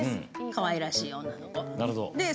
かわいらしい女の子です。